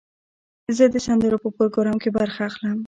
زه د سندرو په پروګرام کې برخه اخلم.